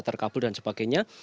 perkabul dan sebagainya